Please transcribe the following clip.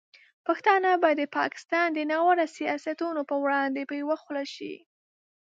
پښتانه باید د پاکستان د ناوړه سیاستونو پر وړاندې په یوه خوله شي.